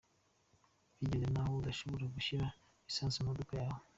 Bigeze n’aho udashobora gushyira lisansi mu modoka yawe.